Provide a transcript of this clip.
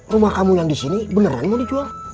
rumah kamu yang disini beneran mau dijual